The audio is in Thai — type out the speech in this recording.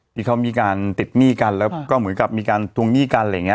ที่เขามีการติดหนี้กันแล้วก็เหมือนกับมีการทวงหนี้กันอะไรอย่างนี้